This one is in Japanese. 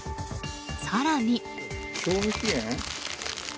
更に。